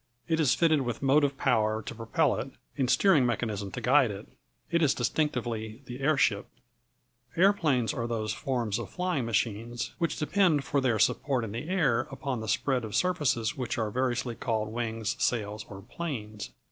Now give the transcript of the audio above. It is fitted with motive power to propel it, and steering mechanism to guide it. It is distinctively the airship. Aeroplanes are those forms of flying machines which depend for their support in the air upon the spread of surfaces which are variously called wings, sails, or planes.